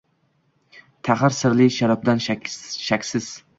Taxir, sirli sharobdan shaksiz